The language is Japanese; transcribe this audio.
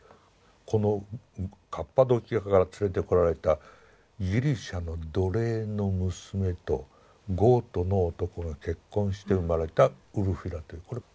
このカッパドキアから連れてこられたギリシャの奴隷の娘とゴートの男が結婚して生まれたウルフィラという。